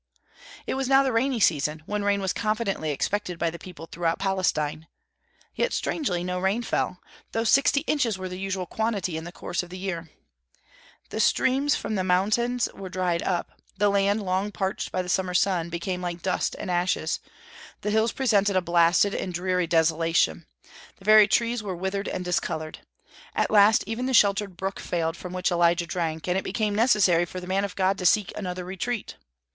It was now the rainy season, when rain was confidently expected by the people throughout Palestine. Yet strangely no rain fell, though sixty inches were the usual quantity in the course of the year. The streams from the mountains were dried up; the land, long parched by the summer sun, became like dust and ashes; the hills presented a blasted and dreary desolation; the very trees were withered and discolored. At last even the sheltered brook failed from which Elijah drank, and it became necessary for the man of God to seek another retreat.